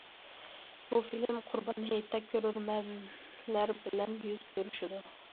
بۇ فىلىم قۇربان ھېيتتا كۆرۈرمەنلەر بىلەن يۈز كۆرۈشىدۇ.